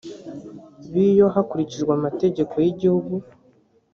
b iyo hakurikijwe amategeko y igihugu